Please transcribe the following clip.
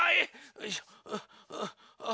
よいしょ。